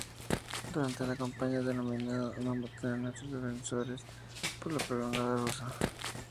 Durante la campaña denominada "¡No maten a nuestros defensores por la propaganda rusa!